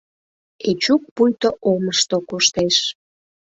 Эчук пуйто омышто коштеш.